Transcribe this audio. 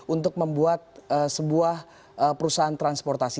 untuk membuat sebuah perusahaan transportasi